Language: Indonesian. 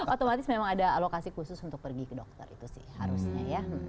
otomatis memang ada alokasi khusus untuk pergi ke dokter itu sih harusnya ya